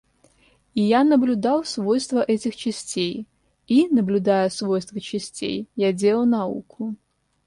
И я наблюдал свойства этих частей, и, наблюдая свойства частей, я делал науку.